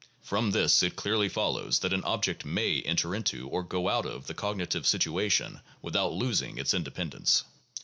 From this it clearly follows that an object may enter into or go out of the cognitive situation with out losing its independence.